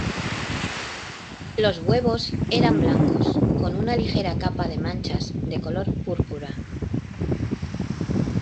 Los huevos eran blancos con una ligera capa de manchas de color púrpura.